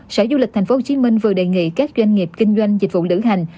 sở du lịch tp hcm vừa đề nghị các doanh nghiệp kinh doanh dịch vụ lữ hành